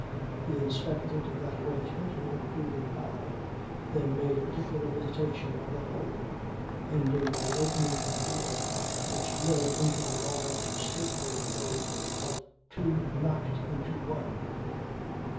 He inspected that arrangement with an approving eye then made a particular visitation of the whole, ending by opening a door which led into a large state room made of two knocked into one.